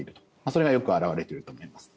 それがよく表れていると思います。